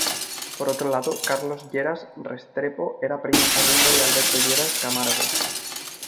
Por otro lado, Carlos Lleras Restrepo era primo segundo de Alberto Lleras Camargo.